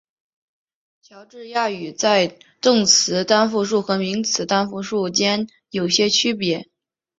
乔治亚语在动词单复数和名词单复数间有些区别。